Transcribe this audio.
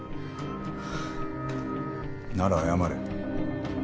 なら謝れ。